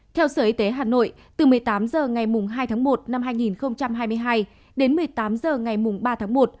theo sở y tế hà nội từ một mươi tám h ngày hai tháng một năm hai nghìn hai mươi hai đến một mươi tám h ngày ba tháng một